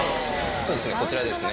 そうですねこちらですね。